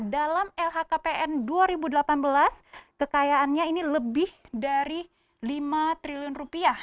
dalam lhkpn dua ribu delapan belas kekayaannya ini lebih dari lima triliun rupiah